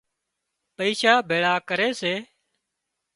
پئيشا ڀيۯا ڪري سي